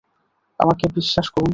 আমাকে বিশ্বাস করুন।